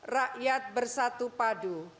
rakyat bersatu padu